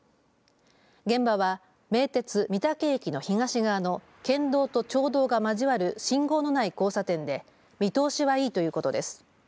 現場は名鉄御嶽駅の東側の県道と町道が交わる信号のない交差点で見通しはいいということです。